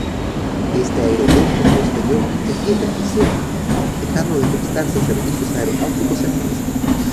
Este aeropuerto posteriormente quiebra y cierra, dejando de prestarse servicios aeronáuticos en el mismo.